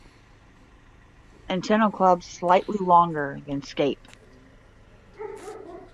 Antennal club slightly longer than scape.